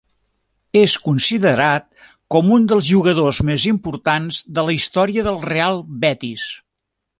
És considerat com un dels jugadors més importants de la història del Real Betis.